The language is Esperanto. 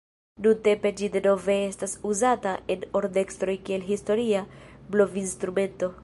Nuntempe ĝi denove estas uzata en orkestroj kiel historia blovinstrumento.